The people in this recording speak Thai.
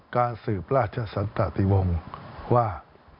การสืบราชสันตะติวงว่า